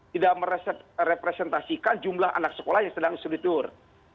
tidak merepresentasikan jumlah anak sekolah yang sedang disudur